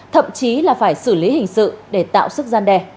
thậm chí là phải xử lý hình sự để tạo sức gian đe